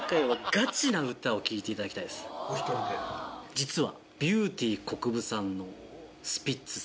実は。